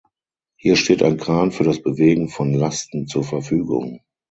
Hier steht ein Kran für das Bewegen von Lasten zur Verfügung.